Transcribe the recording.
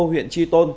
huyện tri tôn